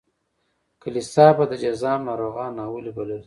کلیسا به د جذام ناروغان ناولي بلل.